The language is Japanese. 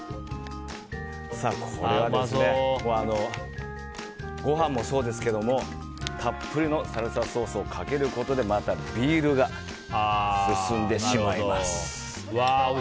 これはご飯もそうですけどたっぷりのサルサソースをかけることでまた、ビールが進んでしまいます。